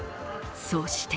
そして